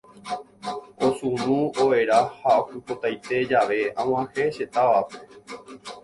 Osunu, overa ha okypotaite jave ag̃uahẽ che távape.